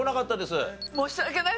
申し訳ない。